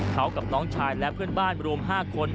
เขากับน้องชายและเพื่อนบ้านรวม๕คน